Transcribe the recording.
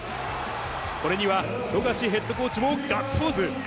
これには富樫ヘッドコーチもガッツポーズ。